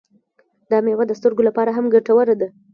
دا میوه د سترګو لپاره هم ګټوره ده.